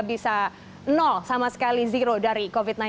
bisa nol sama sekali zero dari covid sembilan belas